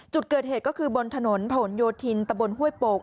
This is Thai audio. จุดเกิดเหตุก็คือบนถนนผนโยธินตะบนห้วยโปก